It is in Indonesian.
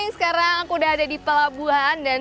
sekarang aku sudah ada di pelabuhan